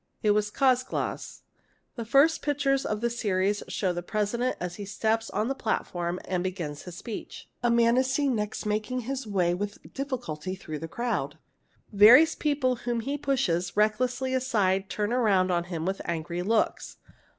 It was Czolgosz. The first pictures of the series show the President as he steps on the © platform and begins his speech. A man is next seen making his way with difficulty through the crowd. Various people whom he pushes reck lessly aside turn round on him with angry looks.